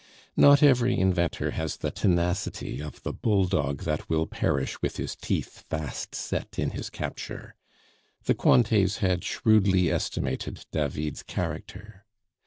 Not every inventor has the tenacity of the bull dog that will perish with his teeth fast set in his capture; the Cointets had shrewdly estimated David's character.